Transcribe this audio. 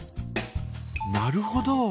なるほど。